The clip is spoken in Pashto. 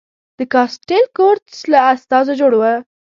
د کاسټیل کورتس له استازو جوړ و.